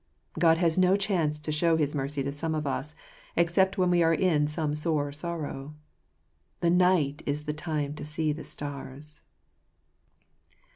God has no chance to show his mercy to some of us except when we are in some sore sorrow. The night is the time tojsee the stars.